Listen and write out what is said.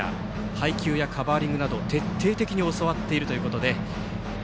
配球やカバーリングなど徹底的に教わっているということで。